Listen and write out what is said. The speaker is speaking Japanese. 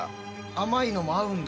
甘いのも合うんだ。